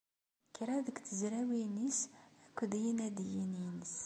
Kra deg tezrawin-is akked yinadiyen-is.